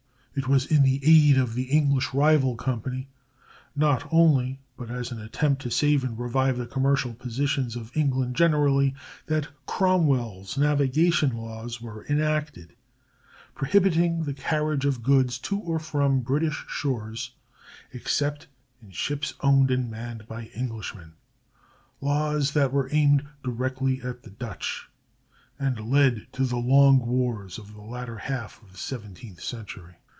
[Illustration: A CLIPPER ESCAPING FROM THE "ALABAMA."] It was in aid of the English rival company not only, but as an attempt to save and revive the commercial position of England generally, that Cromwell's "navigation laws" were enacted, prohibiting the carriage of goods to or from British shores except in ships owned and manned by Englishmen,— laws that were aimed directly at the Dutch, and led to the long wars of the latter half of the seventeenth century.